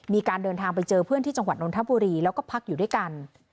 มีการเดินทางไปเจอเพื่อนที่จังหวัดนทบุรีแล้วก็พักอยู่ด้วยกัน